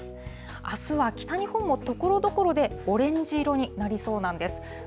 あすは北日本もところどころでオレンジ色になりそうなんです。